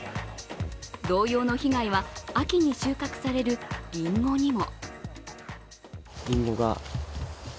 同様の被害は秋に収穫されるりんごにも。